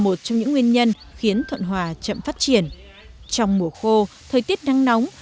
một trong những nguyên nhân khiến thuận hòa chậm phát triển trong mùa khô thời tiết nắng nóng